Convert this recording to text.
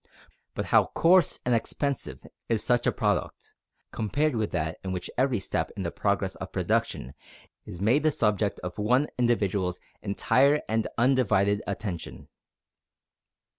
But how coarse and expensive is such a product, compared with that in which every step in the progress of production is made the subject of one individual's entire and undivided attention.